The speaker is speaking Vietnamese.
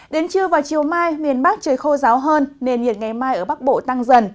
đến trưa và chiều mai miền bắc trời khô ráo hơn nền nhiệt ngày mai ở bắc bộ tăng dần